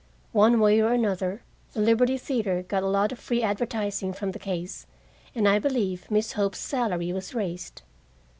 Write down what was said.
One way or another, the Liberty Theater got a lot of free advertising from the case, and I believe Miss Hope's salary was raised.